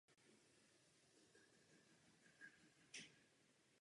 V současné době pracuje jako trenér a manažer Tiger Club Zlín.